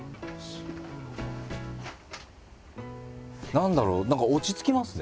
何だろう何か落ち着きますね。